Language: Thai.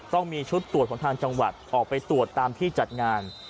ต้องมีชุดตรวจของทางจังหวัดออกไปตรวจตามที่จัดงาน